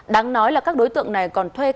đáng nói là các đối tượng này còn thuê cả xe